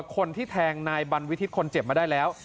คนที่แทงนายบันวิทิศคนเจ็บมาได้แล้ว